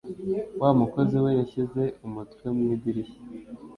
Wa mukozi we yashyize umutwe mu idirishya.